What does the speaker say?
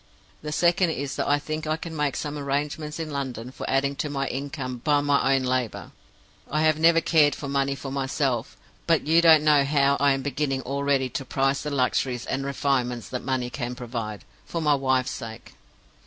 The second is that I think I can make some arrangements in London for adding to my income by my own labor. I have never cared for money for myself; but you don't know how I am beginning already to prize the luxuries and refinements that money can provide, for my wife's sake.